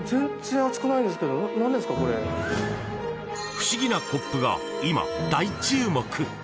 不思議なコップが今、大注目！